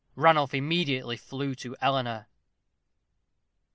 Ranulph immediately flew to Eleanor.